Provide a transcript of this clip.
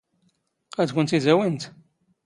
ⵇⴰⴷ ⴽⵯⵏⵜ ⵉⴷ ⴰⵡⵉⵏⵜ?